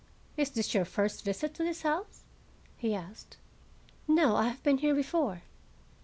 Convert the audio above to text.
"Is this your first visit to this house?" he asked. "No; I have been here before."